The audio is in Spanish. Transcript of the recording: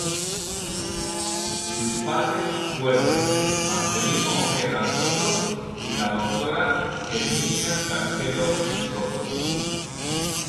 Sus padres fueron Marcelino Ojeda Sotto y la doctora Herminia Castelo Sotto.